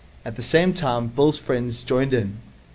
At the same time Bill's friends joined in.